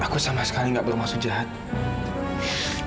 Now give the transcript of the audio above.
aku sama sekali nggak punya maksud jahat ke sini